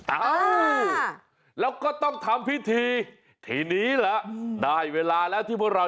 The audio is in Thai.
อ่าแล้วก็ต้องทำพิธีทีนี้แหละได้เวลาแล้วที่พวกเรา